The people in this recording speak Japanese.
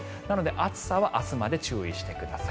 暑さは明日まで注意してください。